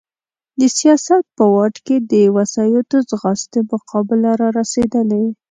د سیاست په واټ کې د وسایطو ځغاستې مقابله را رسېدلې.